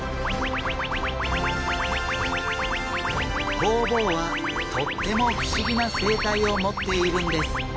ホウボウはとっても不思議な生態を持っているんです。